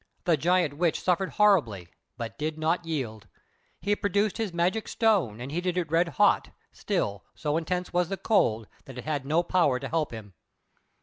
The Giant Witch suffered horribly, but did not yield. He produced his magic stone and heated it red hot, still, so intense was the cold that it had no power to help him.